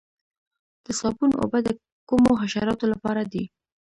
د صابون اوبه د کومو حشراتو لپاره دي؟